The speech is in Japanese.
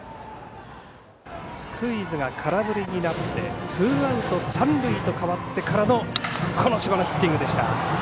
スクイズが空振りになってツーアウト三塁と変わってからのこの千葉のヒッティングでした。